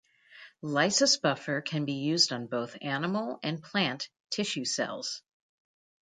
Lysis buffer can be used on both animal and plant tissue cells.